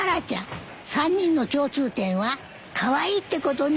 ３人の共通点はカワイイってことね。